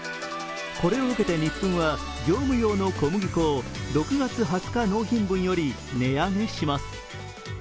これを受けてニップンは業務用の小麦粉を６月２０日納品分より値上げします。